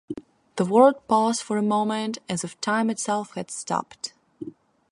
The world paused for a moment, as if time itself had stopped.